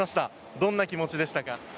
どんな気持ちでしたか？